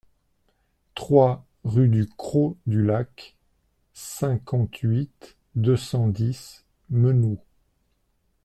trois rue du Crot du Lac, cinquante-huit, deux cent dix, Menou